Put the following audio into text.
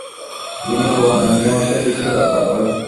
তিনি পুনরায় নিউ ইয়র্কের দিকে যাত্রা করেন।